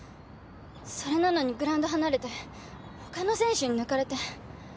それなのにグラウンド離れて他の選手に抜かれて。